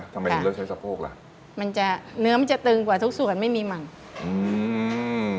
ทำไมถึงเลือกใช้สะโพกล่ะมันจะเนื้อมันจะตึงกว่าทุกส่วนไม่มีหมั่งอืม